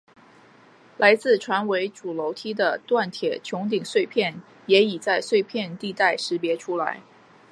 来自船尾主楼梯的锻铁穹顶碎片也已在碎片地带识别出来。